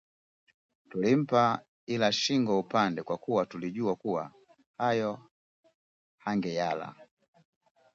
Tulimpa ila shingo apande kwa kuwa tulijuwa kuwa hayo hangeyala